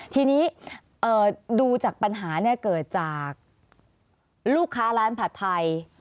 ทีนี้ดูจากปัญหาเกิดจากลูกค้าร้านผัดไทย